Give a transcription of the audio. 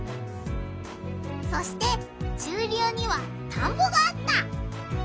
そして中流にはたんぼがあった。